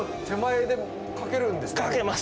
かけます。